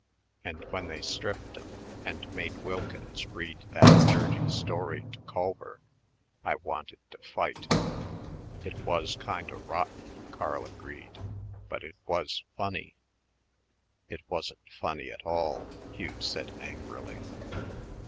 And when they stripped 'em and made Wilkins read that dirty story to Culver, I wanted to fight" "It was kinda rotten," Carl agreed, "but it was funny." "It wasn't funny at all," Hugh said angrily.